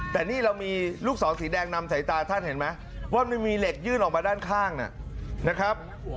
แต่นี่เรามีลูกศรสีแดงนำสายตาท่านเห็นไหมว่ามันมีเหล็กยื่นออกมาด้านข้างนะครับ